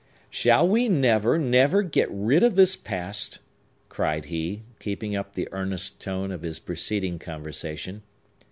"Shall we never, never get rid of this Past?" cried he, keeping up the earnest tone of his preceding conversation.